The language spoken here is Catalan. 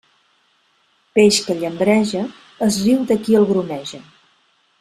Peix que llambreja es riu de qui el grumeja.